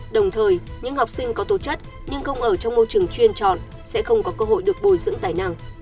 đồng thời những học sinh có tố chất nhưng không ở trong môi trường chuyên chọn sẽ không có cơ hội được bồi dưỡng tài năng